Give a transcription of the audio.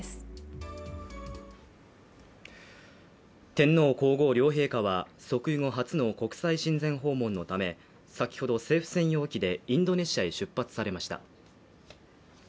天皇皇后両陛下は即位後初の国際親善訪問のため、先ほど政府専用機でインドネシアへ出発されました。